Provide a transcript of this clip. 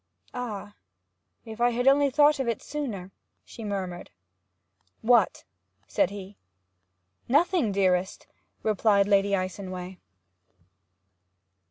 'Ah! if I had only thought of it sooner!' she murmured. 'What?' said he. 'Nothing, dearest,' replied Lady Icenway.